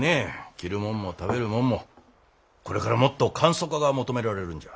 着るもんも食べるもんもこれからもっと簡素化が求められるんじゃ。